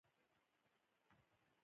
آمو سیند د افغانستان د سیلګرۍ برخه ده.